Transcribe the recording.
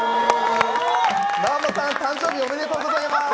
南波さん、誕生日おめでとうございます！